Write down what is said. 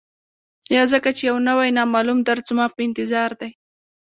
یا ځکه چي یو نوی، نامعلوم درد زما په انتظار دی